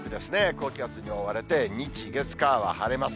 高気圧に覆われて、日、月、火は晴れます。